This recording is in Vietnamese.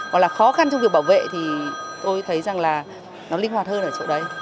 hoặc là khó khăn trong việc bảo vệ thì tôi thấy rằng là nó linh hoạt hơn ở chỗ đấy